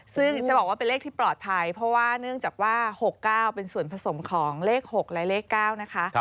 ซึ่งจะบอกว่าเป็นเลขที่ปลอดภัยเพราะว่าเนื่องจากว่า๖๙เป็นส่วนผสมของเลข๖และเลข๙นะคะ